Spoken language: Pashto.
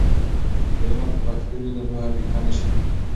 که علم په پښتو وي، نو پوهه پیکه نه شي.